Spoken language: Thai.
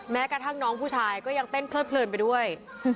แม้กระทั่งน้องผู้ชายก็ยังเต้นเพลิดเพลินไปด้วย